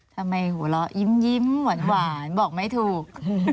ทำไมหัวเราะยิ้มหวานบอกไม่ถูก